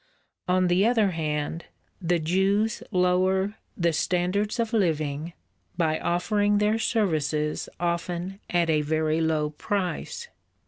On the other hand, the Jews lower "the standards of living" by offering their services often at a very low price.